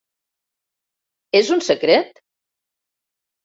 És un secret?